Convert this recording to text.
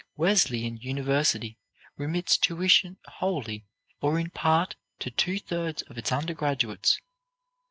Wesleyan University remits tuition wholly or in part to two thirds of its under graduates.